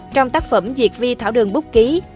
trong tác phẩm duyệt vi thảo đường búc ký